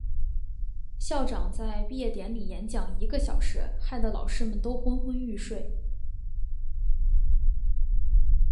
校长在毕业典礼演讲一个小时，害得老师们都昏昏欲睡。